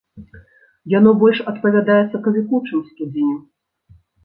Яно больш адпавядае сакавіку, чым студзеню.